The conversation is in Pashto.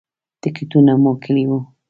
ټکټونه مو کړي وو.